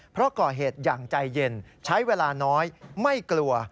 เพราะก่อเหตุอย่างใจเย็นใช้เวลาน้อยไม่กลัว